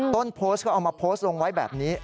ต้นโพสต์ก็เอามาโพสต์ลงไว้แบบนี้